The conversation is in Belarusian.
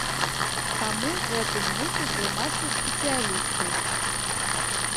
Таму гэтым мусяць займацца спецыялісты.